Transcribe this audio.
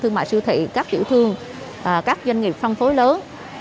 các sưu thị các tiểu thương các doanh nghiệp phân phối lớn